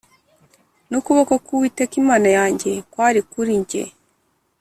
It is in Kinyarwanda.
N ukuboko k uwiteka imana yanjye kwari kuri jye